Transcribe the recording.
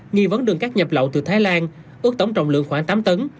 nghi vấn đường cát nhập lậu từ thái lan ước tổng trọng lượng khoảng tám tấn